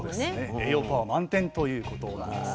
栄養パワー満点ということなんですね。